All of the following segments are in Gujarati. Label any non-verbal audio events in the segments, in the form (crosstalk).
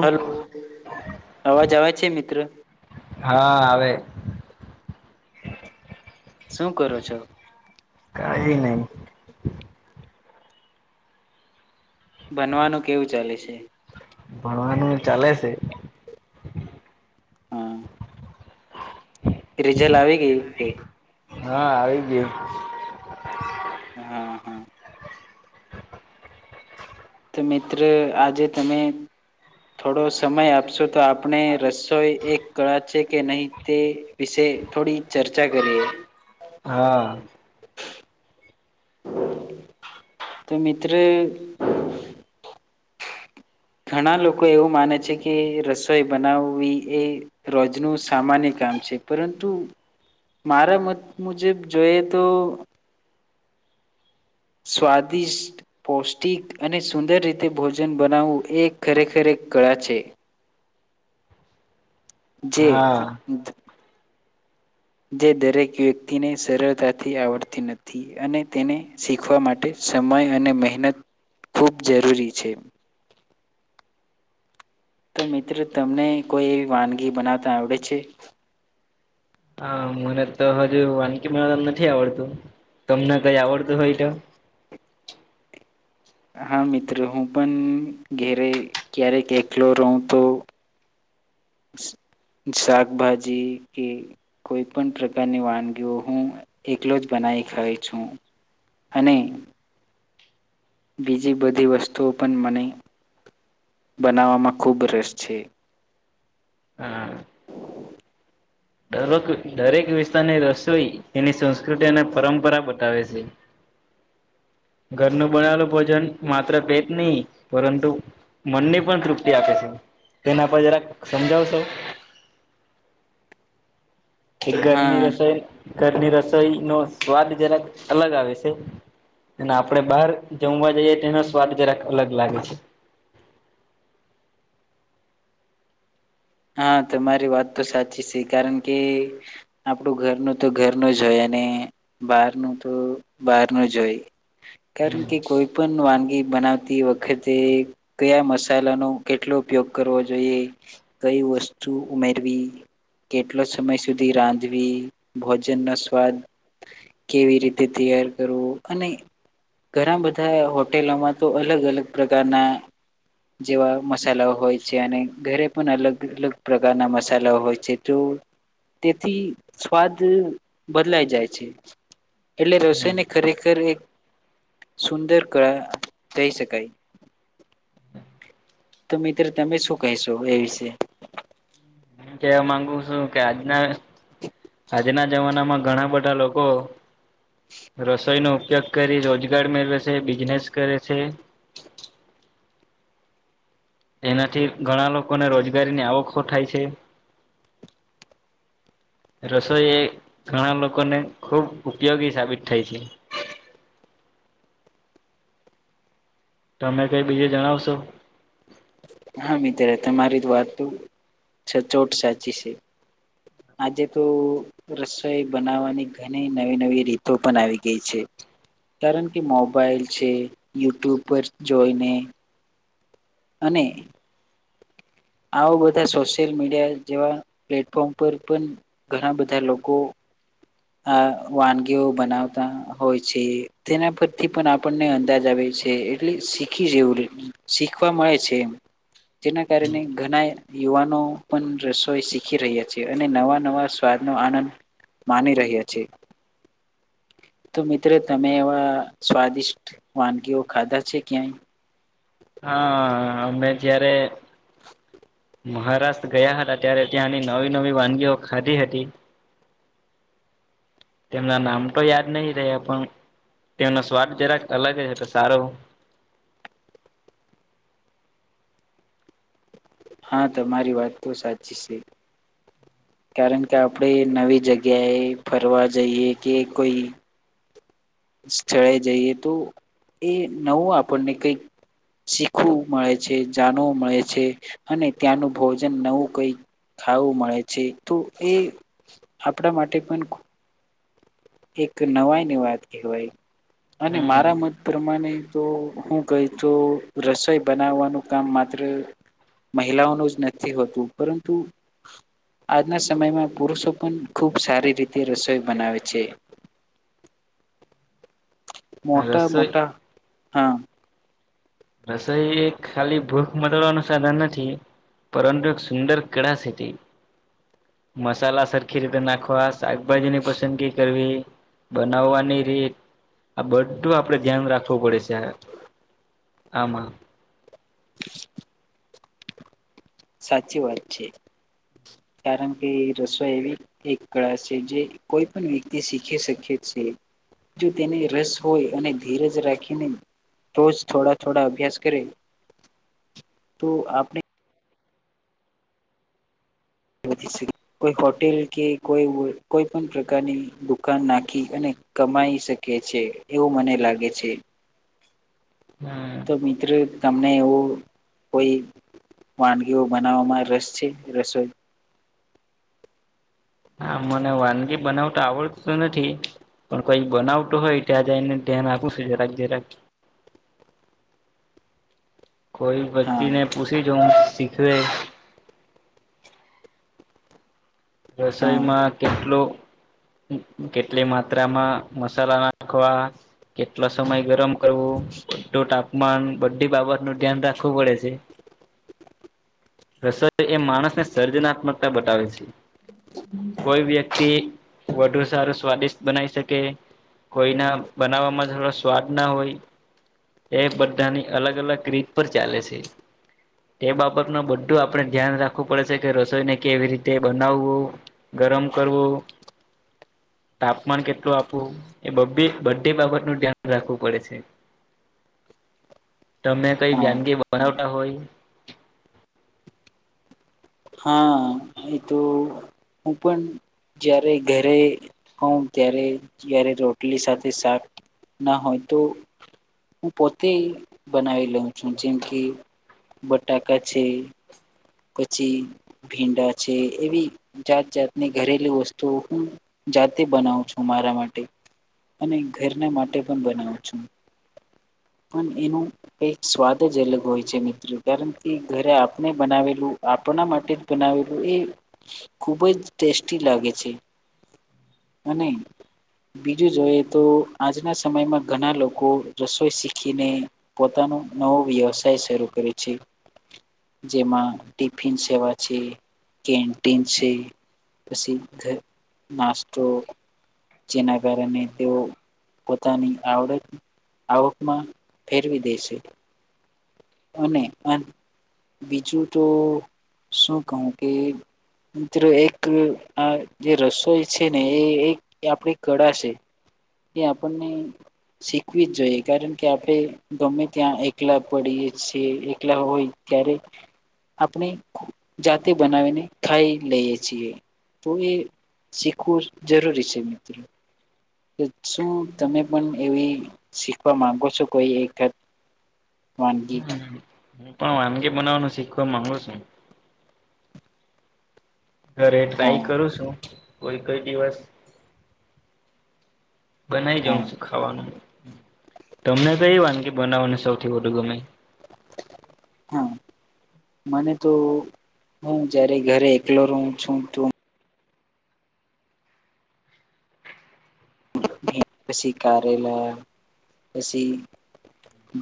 હલો અવાજ અવા છે મિત્ર હા આવે શું કરો છો કઈ નઈ બનવાનું કેવું ચાલે છે ભણવાનું ચાલે છે (inaudible) હા રિઝલ્ટ આવી ગયું કે હા આવી ગ હા હા તો મિત્ર આજે તમે થોડો સમય આપશો તો આપણે રસોઈ એક કળા છે કે નહી તે વિશે થોડી ચર્ચા કરીએ હા તો મિત્ર ઘણા લોકો એવું માને છે કે રસોઈ બનાવવી એ રોજનું સામાન્ય છે પરંતુ મારા મત મુજબ જોઈએ તો સ્વાદિષ્ટ પૌષ્ટિક અને સુંદર રીતે ભોજન બનાવવું એ ખરેખરે કળ છે હા જ જે દરેક વ્યક્તિને સરળતાથી આવડતી નથી અને તેને શીખવા માટે સમય અને મહેનત ખૂબ જરૂરી છે તો મિત્રો તમને કોઈ એવી વાનગી બનાવતા આવડે છે હા મુંને તો હજુ વાનકીી મેળવતા નથી આવડતું તમને કઈ આવડતું હોય તો (inaudible) હા મિત્રો હું પણ ઘેરે ક્યારેકલો રહું તો (inaudible) શાકભાજી કે કોઈ પણ પ્રકારની વાનગીઓ હું એકલો જ બના ના ખાય છું અને બીજી બધી વસ્તુઓ પણ મને બનાવવામાં ખૂબ રસ છે હા દક દરેક વિસ્તારની રસોઈ તેની સંસ્કૃતિ અને પરંપરા બતાવે છે (inaudible) ઘરનું બનાલું ભોજન માત્ર બે જ નહીિ પરંતુ મનને પણ તૃપ્તિ આપે છે તેને પર જરાક સમજાવશો (inaudible) એ ઘરની હા રસોઈ ઘરની રસોઈ નો સ્વાદ જેરા અલગ આવે છે અને આપડણે બહાર જમવા જઈએ તો એનો સ્વાદ જરાક અલગ લાગે છે (inaudible) હા તમારી વાત તો સાચી છે કારણ કે આપડું ઘરનું તો ઘર ન જ હોય અને બારનું તો બહાર ન જો હોય કારણ કે કોઈ પણ વાનગી બનાવતી વખતે કયા મસાલા ન કેટલો ઉપયોગ કરવો જોઈએ કઈ વસ્તુ ઉમેરવી કેટલો સમય સુધી રાંધવી ભોજનનોો સ્વાદ કેવી રીતે તૈયાર કરવું અને ઘણા બધા હોટેલોમાં તો અલગ અલગ પ્રકારના જેવા મસાલાઓ હોય છે અને ઘરે પણ અલગ અલગ પ્રકારના મસાલાઓ હોય છે તો તેથી સ્વાદ બદલાય જાય છે એટલે રસોઈ ને ખરેખર એક સુંદર કળા તઈ શકાય તો મિત્ર તમે શું કહેશો એ વિશે હ કેવા માંગુ છું કે આજના આજના જમાનામાં ઘણા બધા લોકો રસોઈ નો ઉપયોગ કરી રોજગાર મેળવે છે બિઝનેસ કરે છે (inaudible) એનાથી ઘણા લોકોને રોજગારીની આવખો થાય છે (inaudible) રસોઈ એ ઘણા લોકોને ખુબ ઉપયોગી સાબિત થાય છે (inaudible) તમે કઈ બીજે જણાવશો હા મિતિત્ર તમારી વાત સચોટ સાચી છે આજે તો રસોઈ બનાવવાની ઘણી નવી નવી રીતો પણ આવી ગઈ છે કારણ કે મોબાઈલ છે યુટ્યુબ પર જોઈને અને આ બધા સોશિયલ મીડિયા જેવા પ્લેટફોર્મ પર પણ ઘણા બધા લોકો આ વાનગીઓ બનાવતા હોય છે તેના પરથી પણ આપણને અંદાજ આવે એટલે શીખી જેવું શીખવા મળે છે એ જેના કારણે ઘણા યુવાનો પણ રસોઈ શીખી રહ્યા છે અને નવા નવા સ્વાદ નો આનંદ માની રહ્યા છે તો મિત્રો તમે એવા સ્વાદિષ્ટ વાનગીઓ ખાધા છે ક્યાંય હા અમે જયારે મહારાષ્ટ્ર ગયા હતા ત્યારે ત્યાંની નવી નવી વાનગીઓ ખાધી હતી તેમના નામ તો યાદ નહીિ રહ્યા પણ તેનો સ્વાદ જરાક અલગ હ છે તો સારો (inaudible) હા તમારી વાત તો સાચી છે કારણ કે આપણે નવી જગ્યાએ ફરવા જઈએ કે કોઈ સ્થળે જઈએ તો એ નવું આપણને કઈક શીખવું મળે છે જાણવું મળે છે અને ત્યાંનું ભોજન નવું કઈ ખાવું મળે છે તો એ આપણા માટે પણ એક નવાઈ ની વાત કહેવાય અને હમ મારા મત પ્રમાણે તો હું કહી તો રસોઈ બનાવવાનું કામ માત્ર મહિલાઓનું જ નથી હોતું પરંતુ આજના સમયમાં પુરુષો પણ ખુબ સારી રીતે રસોઈ બનાવે છે મોટા રસોઈ મોટા હા રસોઈ ખાલી ભૂખ મટડવાનું સાધન નથી પરંતુ એક સુંદર કળા સટી મસાલા સરખી રીતે નાખવા શાકભાજીની પસંદગી કરવી બનાવવાની રીત આ બધું આપડે ધ્યાન રાખવું પડે છે આમાં (inaudible) સાચી વાત છે કારણ કે રસોઈ એવી એક કળા છે જે કોઈ પણ વ્યક્તિ શીખી શકે જો તેને રસ હોય અને ધીરજ રાખીને તોોજ થોડા થોડા અભ્યાસ કરે તો આપણે કોઈ હોટેલ કે કોઈ કોઈ પણ પ્રકારની દુકાન નાખી અને કમાઈ શકે છે એવું મને લાગે છે હમ તો મિત્ર ત ને એવું કોઈ વાનગીઓ બનાવવામાં રસ છે રસોઈ હા મને વાનગી બનાવ તો આવડતતું નથી પણ કોઈ બનાવતું હોય ત્યાં જ એને ધ્યાન આપુંશું જરાક જરાક કોઈ હા બચ્ચીને પૃછી જ સીખે હા રસોઈમાં કેટલોું કેટલી માત્રામાં મસાલા નાખવા કેટલો સમય ગરમ કરવું ું તાપમાન બધી બાબત નું ધ્યાન રાખવું પડે છે (inaudible) રસદ એ માણસને સર્જનાત્મકતા બતાવે છે કોઈ વ્યક્તિ વધુ સારું સ્વાદિષ્ટ બનાવી શકે કોઈના બનાવવામાં થોડો સ્વાદ ના હોય એ બધાની અલગ અલગ રીત પર ચાલે છે તે બાબત ન બધું આપડણે ધ્યાન રાખવું પડે છે કે રસોઈને કેવી રીતે બન બનાવવું ગરમ કરવું તાપમાન કેટલું આપવું એ બે બધે બાબતનુંું ધ્યાન રાખવું પડે છે (inaudible) તમે કઈ હા વનગી બનાવતા હોય હા એ તો હું પણ જ્યારે ઘરે હોઉ ત્યારે જ્યારે રોટલી સાથે શક ના હોય તો હું પોતે બનાવી લઉં છું જેમ કે બટાકા છે પછી ભીંડા છે એવી જાત જાતની ઘરેલીુ વસ્તુઓ હું જાતે બનાવું છું મારા માટે અને ઘરના માટે પણ બનાવું છું (inaudible) પણ એનું કક સ્વાદ જ અલગ હોય છે મિત્રો કારણ કે ઘરે આપણે બનાવેલ આપણા માટે જ બનાવેલું એ ખુબ જ ટેસ્ટી લાગે છે અને નહી બીજું જોઈએ તો આજના સમયમાં ઘણા લોકો રસોઈ શીખીને પોતાના નવો વ્યવસાય શરૂ કર્યો છે જેમાં ટીફન સેવા છે કનન્ટન છે પ્રસિદ્ધ નાસ્તો જેના કારણે તેઓ પોતાની આવડત આવકમાં ફેરવી દે છે અને બીજું તો શું કહું કે મિત્રો એક આ જે રસોઈ છે ને એ એક આપણી કળા છે કે આપણને શીખવી જ જોઈએ કારણ કે આપણે ગમે ત્યાં એકલા પડીએ છીએ એકલા હોય ત્યારે આપણે જાતે બનાવીને ખાઈ લઈએ છીએ તો એ શીખવું જરૂરી છે મિત્રો શું તમે પણ એવી શીખવા માંગો છો કોઈ એકાત વાનગી હું પણ વાનગી બનાવવાનું શીખવા માંગુ છું ઘરે ટ્રાય હા કરું છું કોઈ કઈ દિવસ બનાઈ હા જાઉં છું ખાવાનું તમને તો કઈ વાનગી બનાવાની સૌથી વધુ ગમે? હા મને તો હું જયારે ઘરે એકલો રઉ છું તું પછી કારેલા પસી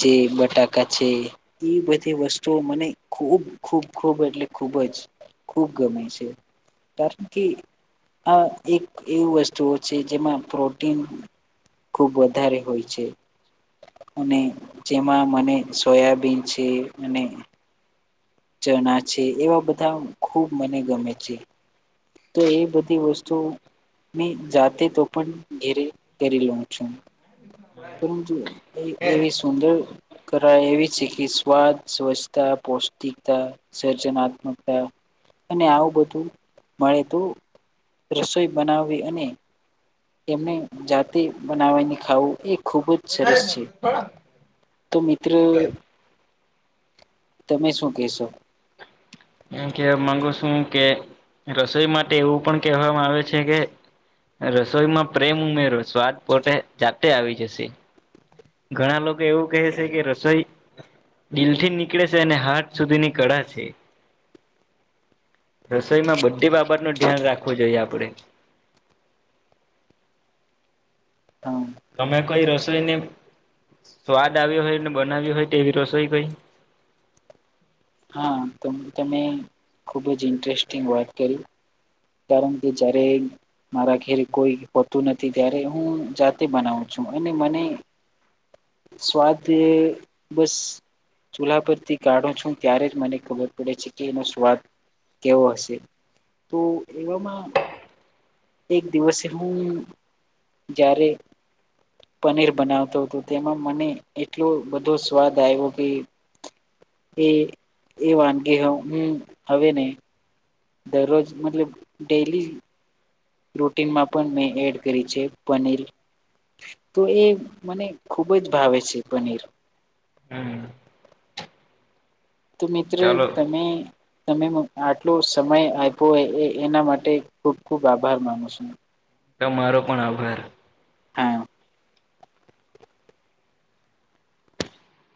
જે બટાકા છે એવી બધી વસ્તુઓ મને ખૂબ ખૂબ ખૂબ એટલે ખૂબ જ ખૂબ ગમે છે કારણ કે હા એક એવી વસ્તુઓ છે જેમાં પ્રો ટીન ખુબ વધારે હોય છે. અને જેમાં મને સોયાબીન છે અને ચણા છે એવા બધા ખૂબ મને ગમે છે. તો એવી બધી વસ્તુ મેં જાતે તો પણ ઘેરે કરી લઉં છું. પરંતુ એવી સુંદર કળા એવી શીખી કે સ્વાદ સ્વચ્છતા પોષ્ ટિકતા સર્જનાત્મકતા અને આવું બધું મળે તો રસોઈ બનાવવી એમને એને જાતે બનાવીને ખાવું એક ખૂબ જ સરસ છે. તો મિત્ર તમે શું કેશો? મ કે માંગુ શું કે રસોઈ માટે એવું પણ કહેવામાં આવે છે કે રસોઈમાં પ્રેમ ઉમેરો સ્વાદ પોતે જાતે આવી જશે. ઘણા લોકો એવું કહે છે કે રસોઈ દિલ થી નીકળે છે અને હાથ સુધીની કળા છે. રસોઈમાં બધી બાબતનું ધ્યાન રાખવું જોઈએ આપડે (unintelligible) (inaudible) હા તમે કઈ રસોઈને સ્વાદ આવ્યો હોય ને બનાવ્યું હોય તે તેવી રસોઈ કોઈ હા તો તમે ખુબ જ ઈન્ટરેસ્ટિંગ વાત કરી. કારણ કે જયારે મારા ઘેરે કોઈ હોતું નથી ત્યારે હું જાતે બનાવું છું અને મને સ્વાદ બસ ચૂલ્હા પરથી કાઢો છું ત્યારે જ મને ખબર પડે છે કે એનો સ્વાદ કેવો હશે તો એવામાં એક દિવસે હું જ્યારે પનીર બનાવતો હતો તેમાં મને એટલો બધો સ્વાદ આયવો કે એ એ વાનગી હું હમ્મ હવે નઈ દરરોજ મતલબ ડેઈલી રૂટીનમાં પણ મેં એડ કરી છે પનીર તો એ મને ખૂબ જ ભાવે છે પનીર. હમ્મ. તો મિત્ર તમે તમે આટલો સમય આયપો હોય એ એના માટે ખુબ ખુબ આભાર માનું છું. તમારો પણ આભાર. હા.